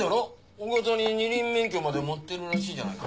大型に二輪免許まで持ってるらしいじゃないか。